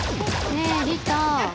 ねえリタ。